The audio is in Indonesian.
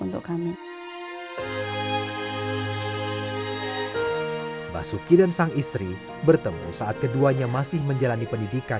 untuk kami basuki dan sang istri bertemu saat keduanya masih menjalani pendidikan